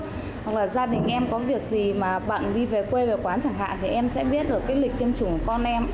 hoặc là gia đình em có việc gì mà bạn đi về quê về quán chẳng hạn thì em sẽ biết được cái lịch tiêm chủng của con em